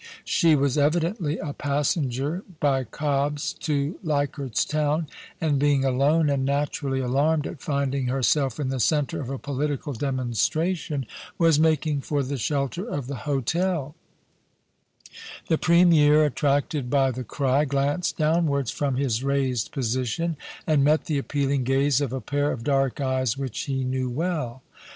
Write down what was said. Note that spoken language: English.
She was evidently a passenger by Cobb's to Leichardt's Town, and being alone, and naturally alarmed at finding herself in the centre of a political demon stration, was making for the shelter of the hotel The Premier, attracted by the cry, glanced downwards from his raised position, and met the appealing gaze of a pair of dark eyes which he knew well.